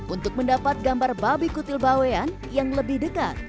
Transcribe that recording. untuk mendapat gambar babi kutil bawean yang lebih dekat